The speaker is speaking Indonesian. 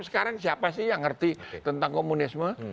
sekarang siapa sih yang ngerti tentang komunisme